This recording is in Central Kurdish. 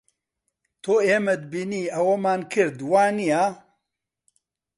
تۆ ئێمەت بینی ئەوەمان کرد، وانییە؟